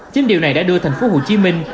chính điều này đã đưa thành phố hồ chí minh